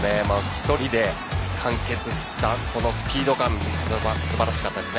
１人で完結したスピード感すばらしかったです。